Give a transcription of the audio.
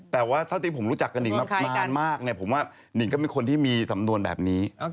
แต่ว่าเท่าที่ผมรู้จักกับหิงมานานมากเนี่ยผมว่านิงก็เป็นคนที่มีสำนวนแบบนี้